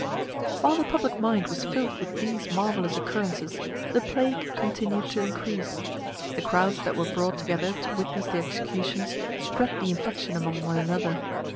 While the public mind was filled with these marvellous occurrences, the plague continued to increase. The crowds that were brought together to witness the executions spread the infection among one another.